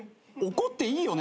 怒っていいよね？